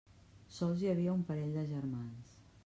Sols hi havia un parell de germans.